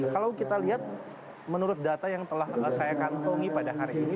kalau kita lihat menurut data yang telah saya kantongi pada hari ini